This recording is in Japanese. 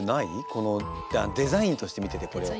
このデザインとして見ててこれを。